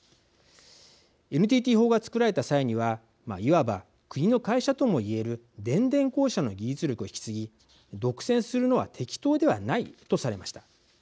ＮＴＴ法が作られた際にはいわば国の会社とも言える電電公社の技術力を引き継ぎ独占するのは適当ではないとされました。